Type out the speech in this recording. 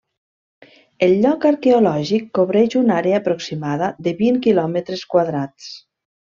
El lloc arqueològic cobreix una àrea aproximada de vint quilòmetres quadrats.